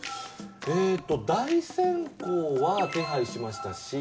えっと「大閃光」は手配しましたし